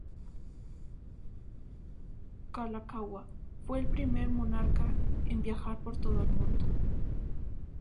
Kalākaua fue el primer monarca en viajar por todo el mundo.